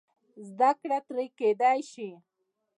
زده کړه ترې کېدای شي.